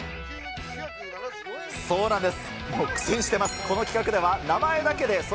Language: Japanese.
そうなんです。